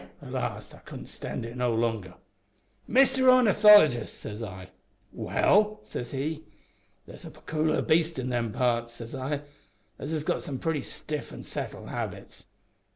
At last I couldn't stand it no longer. "`Mister Ornithologist' says I. "`Well,' says he. "`There's a pecooliar beast in them parts,' says I, `'as has got some pretty stiff an' settled habits.'